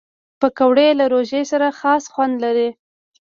پکورې له روژې سره خاص خوند لري